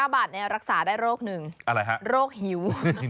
๓๙บาทเนี่ยรักษาได้โรค๑โรคหิว